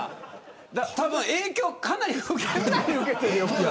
影響かなり受けてる。